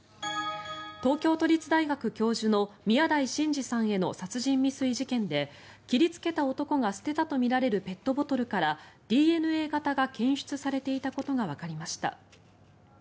東京都立大学教授の宮台真司さんへの殺人未遂事件で切りつけた男が捨てたとみられるペットボトルからＤＮＡ型が検出されていたことがわかりました。